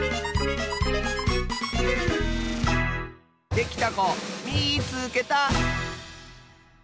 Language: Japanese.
できたこみいつけた！